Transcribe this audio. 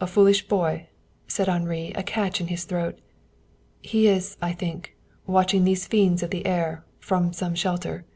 "A foolish boy," said Henri, a catch in his throat. "He is, I think, watching these fiends of the air, from some shelter."